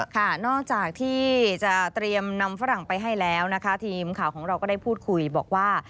นอกจากที่จะเตรียมนำฝรั่งไปให้แล้วนะคะทีมข่าวของเราก็ได้พูดคุยบอกว่า